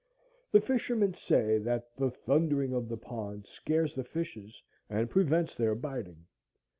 The fishermen say that the "thundering of the pond" scares the fishes and prevents their biting.